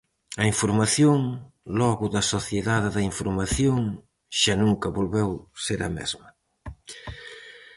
A información, logo da Sociedade da Información, xa nunca volveu ser a mesma.